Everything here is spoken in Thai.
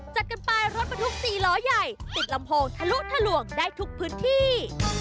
จัดกันไปรถบรรทุก๔ล้อใหญ่ติดลำโพงทะลุทะลวงได้ทุกพื้นที่